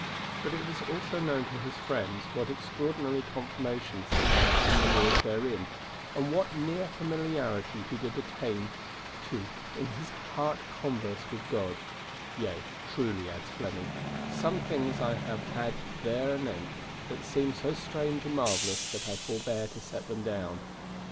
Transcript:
But it was also known to his friends what extraordinary confirmations he had from the Lord therein, and what near familiarity he did attain to in his heart converse with God: Yea, truly, adds Fleming, some things I have had thereanent that seem so strange and marvellous that I forbear to set them down.